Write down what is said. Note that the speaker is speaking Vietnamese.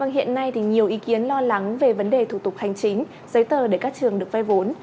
hiện nay nhiều ý kiến lo lắng về vấn đề thủ tục hành chính giấy tờ để các trường được vay vốn